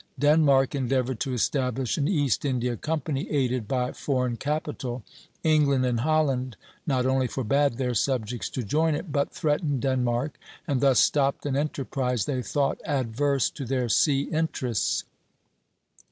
Denmark endeavored to establish an East India company aided by foreign capital; England and Holland not only forbade their subjects to join it, but threatened Denmark, and thus stopped an enterprise they thought adverse to their sea interests.